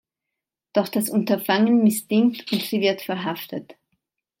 Doch das Unterfangen misslingt und sie wird verhaftet.